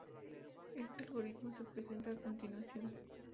Este algoritmo se presenta a continuación.